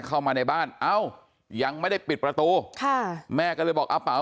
เข้ามาในบ้านเอ้ายังไม่ได้ปิดประตูค่ะแม่ก็เลยบอกเอาเป๋า